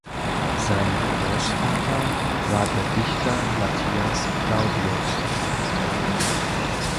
Sein Großvater war der Dichter Matthias Claudius.